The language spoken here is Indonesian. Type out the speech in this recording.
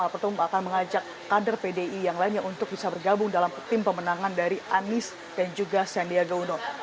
atau akan mengajak kader pdi yang lainnya untuk bisa bergabung dalam tim pemenangan dari anies dan juga sandiaga uno